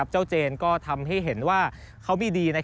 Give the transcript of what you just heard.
เจนก็ทำให้เห็นว่าเขามีดี